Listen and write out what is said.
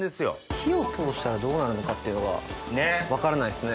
火を通したらどうなるのかっていうのが分からないですね。